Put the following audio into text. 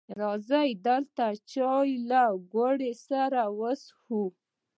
راځه دلته چای له ګوړې سره وڅښو